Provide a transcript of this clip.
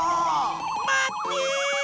まって！